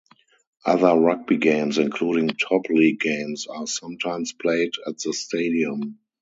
Other rugby games, including Top League games are sometimes played at the stadium.